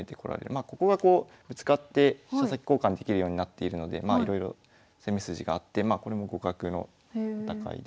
まあここがこうぶつかって飛車先交換できるようになっているのでいろいろ攻め筋があってこれも互角の戦いですね。